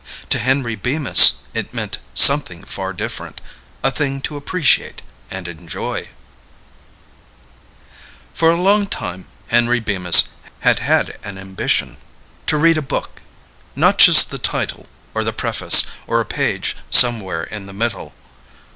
To Henry Bemis it meant something far different a thing to appreciate and enjoy._ Time Enough At Last By Lynn Venable For a long time, Henry Bemis had had an ambition. To read a book. Not just the title or the preface, or a page somewhere in the middle.